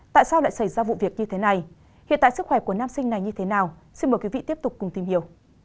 tại sao lại xảy ra vụ việc như thế này hiện tại sức khỏe của nam sinh này như thế nào xin mời quý vị tiếp tục cùng tìm hiểu